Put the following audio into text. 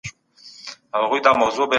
کوچیان د تمدن او فرهنګ انتقال کې مرسته کوي.